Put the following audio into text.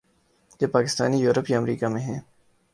جو پاکستانی یورپ یا امریکا میں ہیں۔